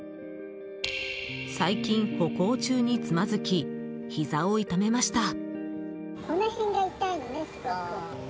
最近、歩行中につまずきひざを痛めました。